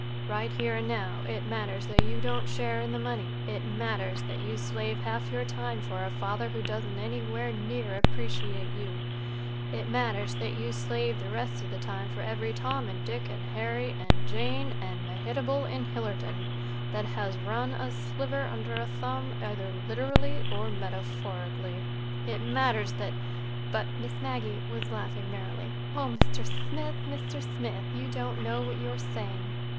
"Right here and now it matters that you don't share in the money; it matters that you slave half your time for a father who doesn't anywhere near appreciate you; it matters that you slave the rest of the time for every Tom and Dick and Harry and Jane and Mehitable in Hillerton that has run a sliver under a thumb, either literally or metaphorically. It matters that—" But Miss Maggie was laughing merrily. "Oh, Mr. Smith, Mr. Smith, you don't know what you are saying!"